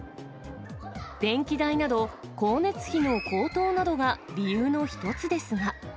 電気代など光熱費の高騰などが理由の一つですが。